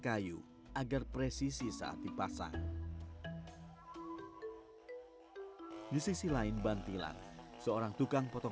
tak mudah untuk menjadi seorang pan rita lopi atau puang rita